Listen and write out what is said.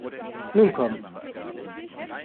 Nun komm!